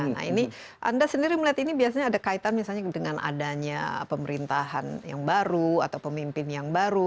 nah ini anda sendiri melihat ini biasanya ada kaitan misalnya dengan adanya pemerintahan yang baru atau pemimpin yang baru